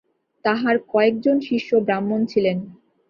তাঁহার কয়েকজন শিষ্য ব্রাহ্মণ ছিলেন।